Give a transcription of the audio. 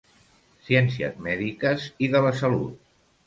Ciències mèdiques i de la Salut.